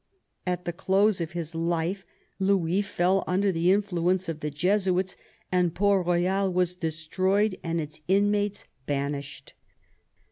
At the close of his life Louis fell under the influence of the Jesuits, and Port lioyal was destroyed and its inmates banished.